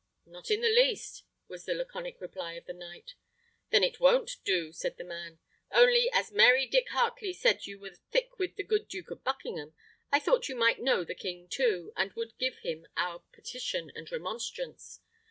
"Not in the least," was the laconic reply of the knight. "Then it won't do," said the man; "only, as merry Dick Heartley said you were thick with the good Duke of Buckingham, I thought you might know the king too, and would give him our petition and remonstrance.